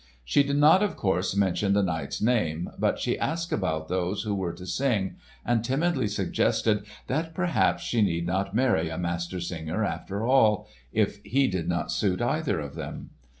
She did not, of course, mention the knight's name, but she asked about those who were to sing, and timidly suggested that perhaps she need not marry a Master Singer after all, if he did not suit either of them.